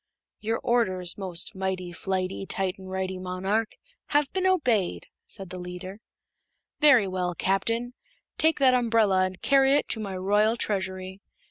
"Your orders, most Mighty, Flighty, Tight and Righty Monarch, have been obeyed," said the leader. "Very well, Captain. Take that umbrella and carry it to my Royal Treasury.